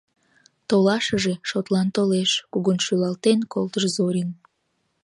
Толашыже... шотлан толеш, — кугун шӱлалтен колтыш Зорин.